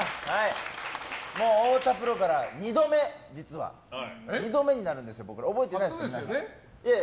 太田プロから２度目になるんですよ、僕ら。覚えていないですか？